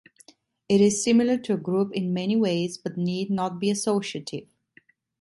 It is similar to a group in many ways but need not be associative.